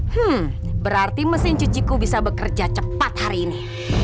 hmm berarti mesin cuciku bisa bekerja cepat hari ini